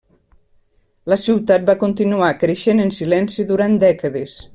La ciutat va continuar creixent en silenci durant dècades.